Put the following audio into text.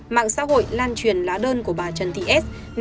mạng xã hội lan truyền lá đơn của bà trần thị s